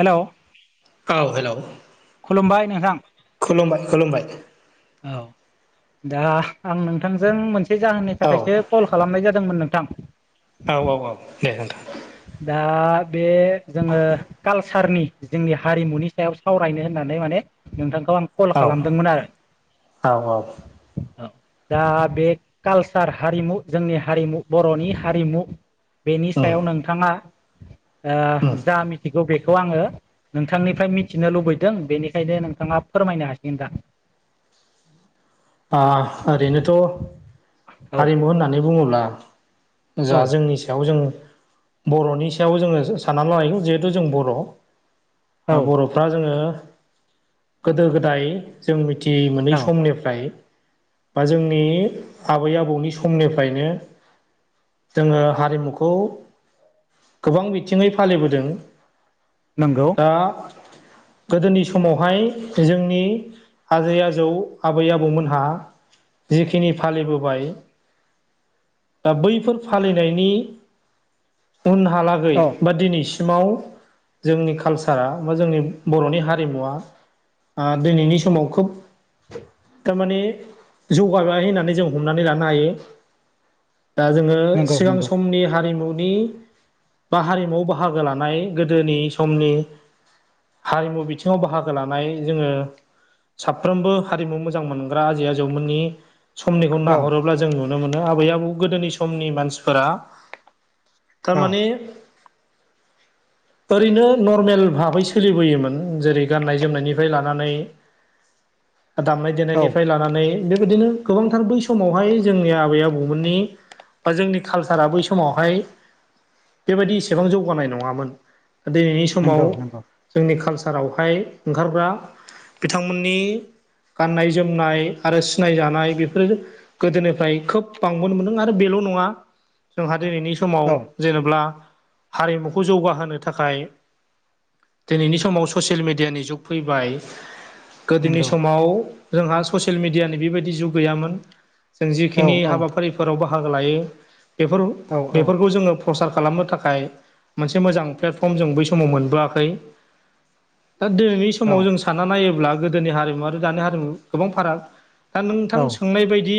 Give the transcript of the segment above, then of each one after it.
Hello औ hello खुलुमबाय नोंथां। खुलुमबाय खुलुमबाय औ दा आं नोंथांजों मोनसे जाहोननि औ थाखायसो कल खालामनाय जादोंमोन नोंथां। औ औ औ दे नोंथां। दा बे जोङो कालसारनि जोंनि हारिमुनि सायाव सावरायनो होननानै माने नोंथां। आं कल औ खालामदोंमोन आरो औ औ औ। दा बे कालसार हारिमु जोंनि हारिमु बर'नि हारिमु बेनि उम सायाव नोंथाङा उम ओ जा मि बेखौ आङो नोंथांनिफ्राय मिथिनो लुबैदों बेनिखायनो नोंथाङा फोरमायनो हासिगोन दा। आ ओरैनोथ' हारिमु औ होननानै बुङोब्ला। जा जोंनि सायाव जों बर'नि सायाव जोङो साननानै लायो जिहेथु जों बर' औ बर'फ्रा जोङो गोदो गोदाय जों मिन थि औ मोनै समनिफ्राय बा जोंनि आबै आबौनि समनिफ्रायनो। जोङो हारिमुखौ गोबां बिथिङै फालिबोदों। नंगौ दा गोदोनि समावहाय जोंनि आजै आजौ आबै आबौमोन हा जिखिनि फालिबोबाय। दा बैफोर फालिनायनि उनहालागै औ बा दिनैसि सिमाव जोंनि कालसारा बा जोंनि बर'नि हारिमुवा आ दिनैनि समाव खोब थारमाने जौगाबाय होननानै जों हमनानै लानो हायो। दा जोङो नंगौ सिगां नंगौ समनि हारिमु नि बा हारिमुआव बाहागो लानाय गोदोनि समनि हारिमु बिथिङाव बाहागो लानाय जोङो साफ्रोमबो हारिमु मोन मोजां मोनग्रा जि आजै आजौमोननि समनिखौ औ नाहरोब्ला जों नुनो मोनो आबै आबौ गोदोनि समनि मानसिफोरा औ थारमाने [inaudible] ओरैनो नर्मेल भाबै सोलिबोयोमोन जेरै गाननाय जोमनायनिफ्राय लानानै दामनाय औ देनायनिफ्राय लानानै बेबायदिनो गोबांथार बै समावहाय जोंनि आबै आबौमोननि बा जोंनि कालसारा बै समावहाय बेबायदि एसेबां जौगानाय नङामोन दिनैनि समाव नंगौ नंगौ जोंनि कालसार सारावहाय ओंखारग्रा बिथांमोननि गाननाय जोमनाय आरो सिनाय जानाय बेफोरो गोदोनिफ्राय खोब बांबोनो मोनदों आरो बेल' नङा। जोंहा दिनैनि समाव औ जेनेब्ला हारिमुखौ जौगाहोनो थाखाय दिनैनि समाव ससियेल मिडियानि जुग फैबाय। गोदोनि नंगौ समाव जोंहा ससियेल मिडियानि बेबायदि जुग गैयामोन। जों औ जिखिनि औ हाबाफारिफोराव बाहागो लायो बेफोर औ बेफोरखौ जोङो प्रसार खालामनो थाखाय मोनसे मोजां प्लेटफर्म जों बै समाव मोनबोआखै। दा दिनैनि औ समाव जों सानना नायोब्ला गोदोनि हारिमु आरो दानि हारिमु गोबां फाराग। दा औ नोंथां सोंनाय बायदि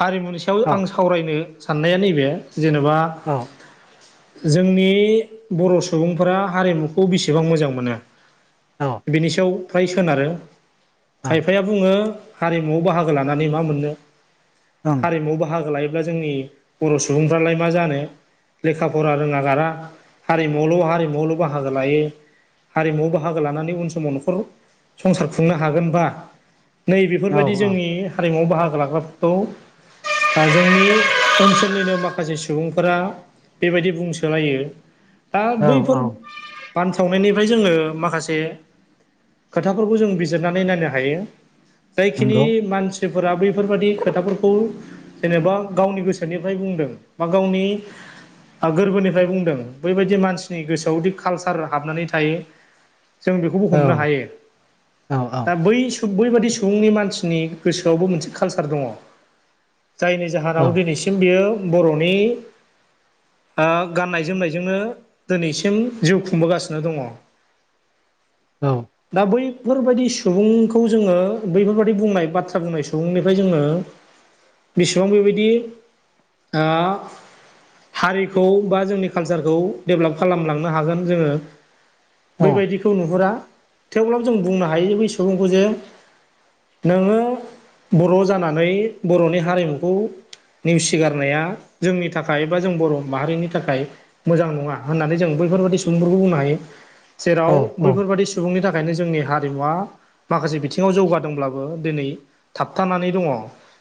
हारिमु सायाव औ आं सावरायनो साननाया नैबे जेनेबा ओं जोंनि बर' सुबुंफोरा हारिमुखौ बेसेबां मोजां मोनो। बेनि सायाव फ्राय सोनारो खायफाया बुङो हारिमुआव बाहागो लानानै मा मोननो हारिमुआव बाहागो लायो ब्ला जोंनि बर' सुबुंफ्रालाय मा जानो। लेखा फरा रोङ गारा हारिमुआवल' हारिमुआवल' बाहागो लायो। हारिमुवआव बाहागो लानानै उन समाव न'खर संसारखौ खुंनो हागोनबा नै औ बेफोरबायदि जोंनि हारिमुआव बाहागो लाग्राफोरखौ ओ‌ जोंनि ओनसोलनिनो माखासे सुबुंफोरा बेबायदि बुंसोलायो दा औ बैफोर औ बानसावनायनि ओमफ्राय जोङो माखासे खोथाफोरखौ जों बिजिरनानै नायनो हायो। जायखिनि नंगौ मानसिफोरा बैफोरबादि खोथाफोरखौ जेनेबा गावनि गोसोनिफ्राय बुंदों बा गावनि ओ गोरबोनिफ्राय बुंदों बबायदि मानसिनि गोसोआवदि कालसार हाबनानै थायो। जों बेखौबो औ हमनो हायो औ दा बै सम बैबादि सुबुंनि मानसिनि गोसोआवबो मोनसे कालचार दङ। जायनि जाहोनाव दिनैसिम बियो बर'नि ओ गाननाय जोमनायजोंनो दिनैसिम जिउ खुंबोगासिनो दङ। [inaudible] औ दा बै फोरबायदि सुबुंखौ जोङो बैफोरबायाददि बुंनाय बाथ्रा बुंनाय सुबुंनिफ्राय जोङो बेसेबां बेबायदि ओ हारिखौ बा जोंनि कालसारखौ डेभलप खालामलांनो हागोन जोङो औ बैबायदिखौ नुहुरा थेवब्लाबो जों बुंनो हायो बै सुबुंखौ जे नोङो बर' जानानै बर'नि हारिमुखौ नेवसिगारनाया जोंनि थाखाय बा जों बर' माहारिनि थाखाय मोजां नङा होननानै जोंबो बेफोरबायादि सुबुंफोरखौ बुंनो हायो औ जेराव बैफोरबायादि सुबुंनि थाखायनो जोंनि हारिमुवा माखासे बिथिङाव जौगादोंब्लाबो दिनै थाबथानानै दङ।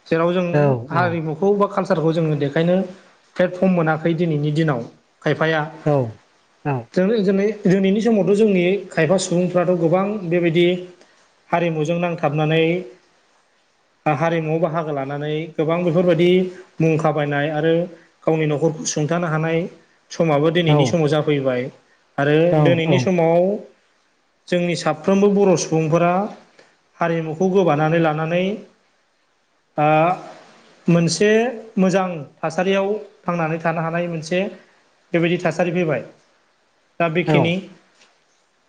जेराव जों हारिमुखौ बा कालसारखौ जोङो देखायनो प्लेटफर्म मोनाखै दिनैनि दिनाव खायफाया औ दिनैनि समावथ' जोंनि खायफा सुबुंफ्राथ' गोबां बेबायदि हारिमुजों नांथाबनानै [inaudible] हारिमुवआव बाहागो लानानै गोबां बेफोरबायदि मुंखा बायनाय आरो गावनि न'खरखौ सुं खोन्थानो हानाय समाबो औ दिनैनि समाव जाफैबाय आरो दिनैनि औ समाव जोंनि साब साफ्रोमबो बर' सुबुंफोरा हारिमुखौ गोबानानै लानानै ओ। मोनसे मोजां थासारियाव थांनानै थानो हानाय मोनसे बेबायदि थासारि फैबाय दा बेखिनि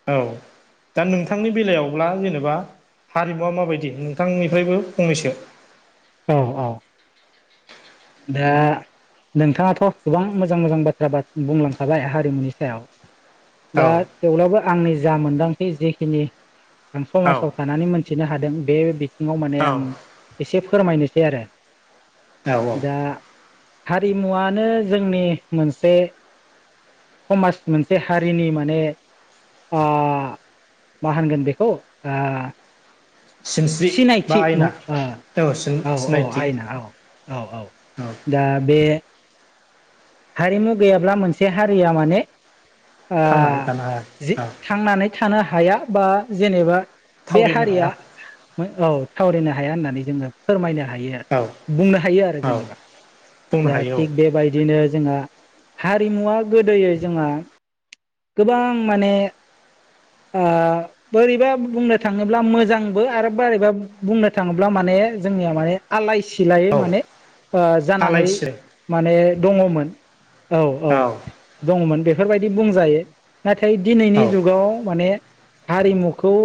औ। दा नोंथांनि बेलायावब्ला जेनेबा हारिमुवा माबायदि नोंथांनिफ्रायबो फंनैसो औ औ। दा नोंथाङाथ' गोबां मोजां मोजां बाथ्रा बुंलांखाबाय हारिमुनि सायाव। औ दा थेवब्लाबो आंनि जा मोनदांथि जेखिनि आं औ समाजाव थानानै मोनथिनो हादों बे बिथिङाव माने औ आं एसे फो फोरमायनोसै आरो। औ औ दा हारिमुवनो जोंनि मोनसे समाज मोनसे हारिनि माने ओ मा होनगोन बेखौ ओ सिनस्रि बा सिनायथि न आयना औ औ आयना औ। औ औ दा बे हारिमु गैयाब्ला मोनसे हारिया माने ओ थांनानै थानो हाया जि औ थांनानै थानो हा हाया बा जेनेबा बे थावरिनो हारिया हाया औ थावरिनो हा। हाया होननानै जोङो फोरमायनो। हायो औ बुंनो हायो औ जेनेबा बुंनो दा हायो थिग बेबायदिनो। जोंहा हारिमुवा गोदोयै जोंहा गोबां माने। ओ बोरैबा बुंनो थाङोब्ला मोजांबो आरो बोरैबा बुंनो थाङोब्ला माने। मानेयो जोंनिया माने आलाय। सिलायै औ माने ओ आलाय जानानै सिलाय माने दङमोन। औ औ दङमोन बेफोरबायदि बुंजायो। नाथाय दिनैनि औ जुगाव माने हारिमुखौ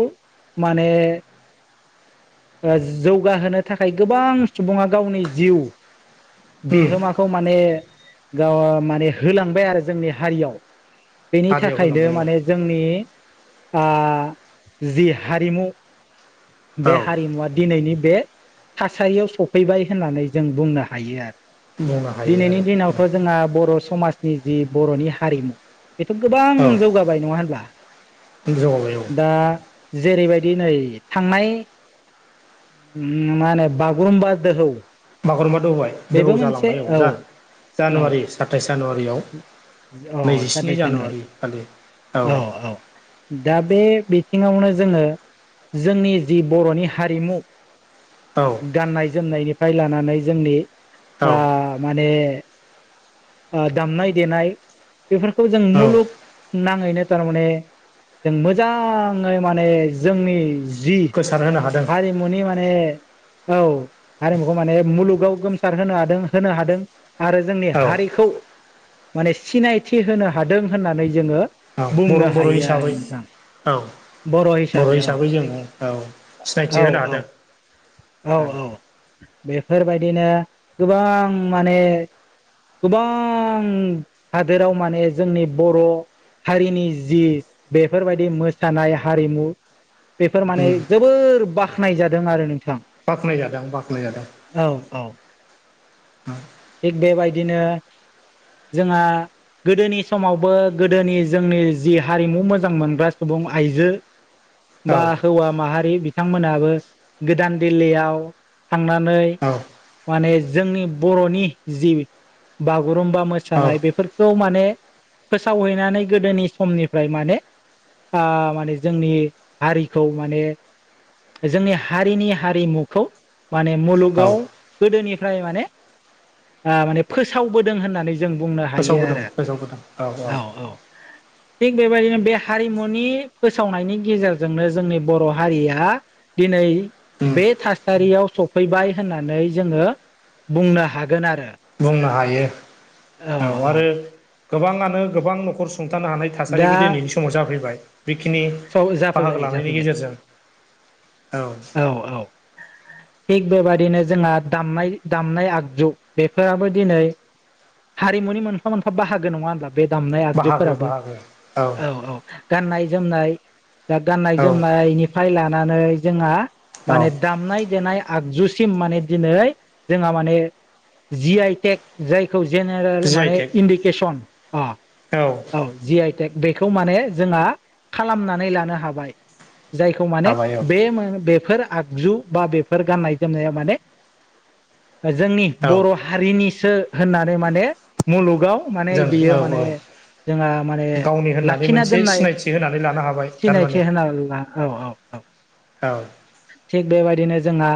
माने। ओ जौगाहोनो थाखाय गोबां सुबुङा गावनि जिउ। उम बिहोमाखौ माने गांव माने होलांबाय आरो जोंनि हारियाव। बेनि हारियाव थाखायनो होलांबाय औ माने जोंनि। आ जि हारिमु। बे औ। हारिमुवा दिनैनि बे थासारियाव सफैबाय होननानै जों बुंनो हायो आरो। बुंनो हायो दिनैनि आरो दिनावथ' जोंहा बर'। समाजनि जि बर'नि हारिमु बेथ' गोबां औ जौगाबाय नङा होनब्ला। जौगाबाय' औ। दा जेरैबायदि नै थांनाय। ओम मा होनो बागुरुम दौहौ। बागुरुम्बा दौहौवा दोहौ जालांबाय औ जा औ जानुवारि सातताइस जानुवारियाव। औ नैजिस्नि साताइस जानुवारि खालि औ। दा बे बिथिङावनो जोङो जोंनि जि बर'नि हारिमु। औ गाननाय जोमनायनिफ्राय लानानै जोंनि औ ओ माने। दामनाय देनाय बेफोरखौ जों औ मुलुग नाङैनो थारमाने। जों मोजाङै माने जोंनि। जि गोसार होनो हादों हारिमुनि माने। औ हारिमुखौ माने मुलुगाव गोमसार होनो हादों होनो हादों आरो। जोंनि औ हारिखौ माने सिनायथि होनो हादों होननानै जोङो। औ बर' बुंनो बर' हायो आरो हिसाबै नोंथां औ बर' हिसाबै औ औ सिनायथि औ होनो औ हादों औ औ बेफोरबायदिनो गोबां माने गोबां हादोराव माने जोंनि बर' हारिनि जि बेफोरबायदि मोसानाय हारिमु बेफोर माने उम जोबोर बाख्नाय जादों आरो नोंथाङा बाख्नाय जादों बाख्नाय जादों औ बेबायदिनो जोंहा गोदोनि समावबो गोदोनि जोंनि जि हारिमु मोजां मोनग्रा सुबुं आइजो औ बा हौवा माहारि बिथांमोनाबो गोदान दिल्लीयाव थांनानै औ माने जोंनि बर'नि जि बागुरुम्बा औ मोसानाय बेफोरखौ माने फोसावहैनानै गोदोनि समनिफ्राय माने माने जोंनि हारिखौ माने जोंनि हारिनि हारिमुखौ माने औ मुलुगाव गोदोनिफ्राय माने माने फोसावबोदों होननानै जों बुंनो हायो आरो औ औ थिग बेबायदिनो बे हारिमुनि फोसावनायनि गेजेरजोंनो जोंनि बर' हारिया दिनै उम बे थासारियाव सफैबाय होननानै जोङो बुंनो हागोन आरो बुंनो हायो औ आरो गोबाङानो गोबां न'खर सुंथानो हानाय दा थासारिबो दिनैनि समाव जाफैबाय बेखिनि स बाहागो जाफैबाय लानायनि जाफैबाय गेजेरजों औ औ थिग बेबायदिनो जोंहा दामनाय दामनाय आगजु बेफोराबो दिनै हारिमुनि मोनफा मोनफा बाहागो नङा होनब्ला बे दामनाय बाहागो आगजुफोराबो बाहागो औ औ गाननाय-जोमनाय दा गाननाय औ जोमनायनिफ्राय लानानै जोंहा औ माने दामनाय-देनाय आगजु सिम माने जोंहा माने जि आइ टेग जाय खौ जेनेरेल जि आइ माने टेक इण्डिकेसन अ औ जि आइ टेग बेखौ माने जोंहा खालामनानै लानो हाबाय जायखौ माने हाबाय औ बे मोन बे बेफोर आगजु बा बेफोर गाननाय जोमनाया माने जोंनि औ बर' हारिनिसो होननानै माने मुलुगाव माने जों बेयो औ औ माने जोंहा माने गावनि होननानै लाखिना मोनसे दोननाय सिनायथि होनानै लानो हाबाय सिनायथि थारमाने होनना ला औ औ औ औ थिग बेबायदिनो जोंहा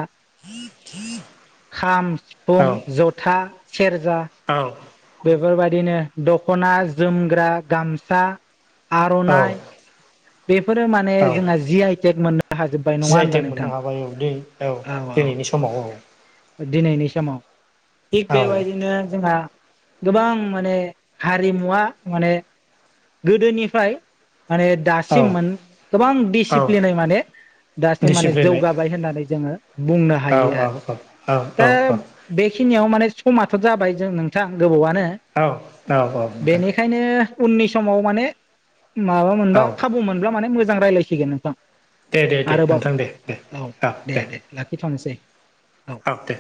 खाम, औ सिफुं, जथा, सेर औ बेफोरबायदिनो दख'ना, जोमग्रा, गामसा, औ आर'नाइ बेफोरो माने औ जोंहा जि आइटेक मोन जि आइ टेक मोननो हाबाय औ दै औ दिनैनि समाव औ दिनैनि समाव थि औ बेेबायायदि नो जोंङा गोबां माने हारिमुवा माने गोदोनिफ्राय माने औ दासिममोन गोबां औ दिडसिप्लिनै माने दासिम माने दिसिप्लिनै जौगाबाय होननानै जोङो बुंनो औ हायो औ आरो औ औ दा औ बेखिनियाव माने समाथ' जाबाय जों नोंथां गोबावा नो औ औ औ नोंथां बेनिखायनो उननि समाव माने माबा औ मोनबा ब्ला मोजां रायलायसिगोन नोंथां दे दे दे आरोबाव नोंथां दे दे औ दे दे लाखिथ'नोसै औ देे